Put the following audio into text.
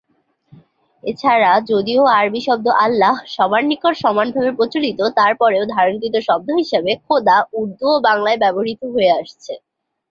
এছাড়া যদিও আরবি শব্দ আল্লাহ্ সবার নিকট সমানভাবে প্রচলিত তারপরেও ধারণকৃত শব্দ হিসাবে খোদা উর্দু ও বাংলা ব্যবহৃত হয়ে আসছে।